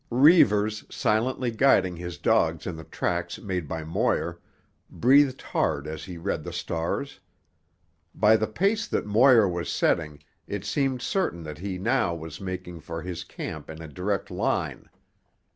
Reivers, silently guiding his dogs in the tracks made by Moir, breathed hard as he read the stars. By the pace that Moir was setting it seemed certain that he now was making for his camp in a direct line.